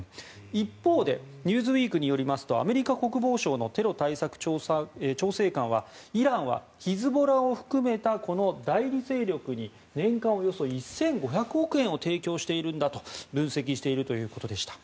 一方で、「ニューズウィーク」によりますとアメリカ国防省のテロ対策調整官はイランはヒズボラを含めたこの代理勢力に年間およそ１５００億円を提供しているんだと分析しているということでした。